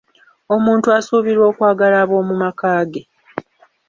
Omuntu asuubirwa okwagala aboomumaka ge.